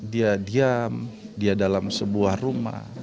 dia diam dia dalam sebuah rumah